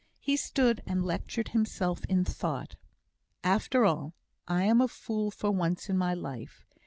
He stood and lectured himself in thought. "After all, I am a fool for once in my life.